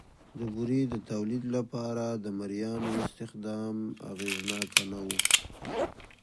د بورې د تولید لپاره د مریانو استخدام اغېزناک نه و